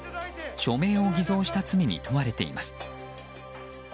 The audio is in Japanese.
署名を偽造した罪に問われています。